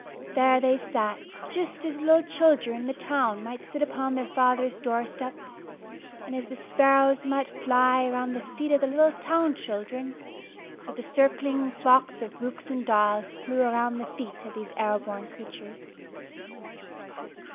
There they sat, just as little children in the town might sit upon their father's door step; and as the sparrows might fly around the feet of the little town children, so the circling flocks of rooks and daws flew around the feet of these air born creatures.